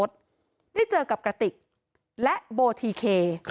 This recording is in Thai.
ได้เจอกับกระติกและโบทีเค